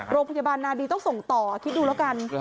โรงพยาบาลนาดีต้องส่งต่อคิดดูแล้วกัน